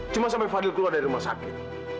cuma sampai fadil keluar dari rumah sakit